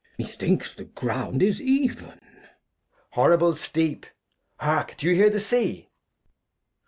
Glost. Methinks the Ground is even. Edg. Horrible Steep ; heark, do you hear the Sea